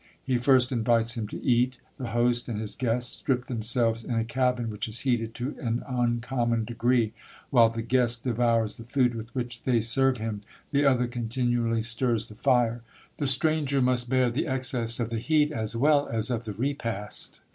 He first invites him to eat. The host and his guest strip themselves in a cabin which is heated to an uncommon degree. While the guest devours the food with which they serve him, the other continually stirs the fire. The stranger must bear the excess of the heat as well as of the repast.